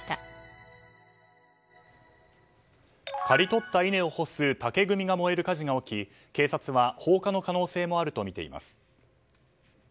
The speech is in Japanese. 刈り取った稲を干す竹組みが燃える火事が起き警察は放火の可能性もあるとみています。